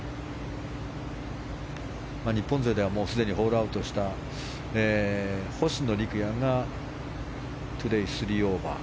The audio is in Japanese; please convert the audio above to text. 日本勢ではもうすでにホールアウトした星野陸也がトゥデー、３オーバー。